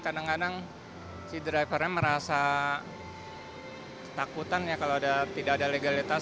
kadang kadang si drivernya merasa takutan ya kalau tidak ada legalitas